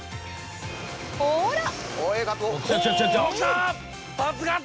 ほら！